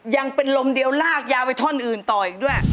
ยังเป็นลมเดียวลากยาวไปท่อนอื่นต่ออีกด้วย